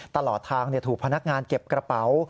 ตลอดทางถูกพนักงานเก็บกระเป๋า